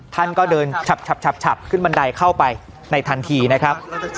ท่านก็เดินฉับขึ้นบันไดเข้าไปในทันทีนะครับ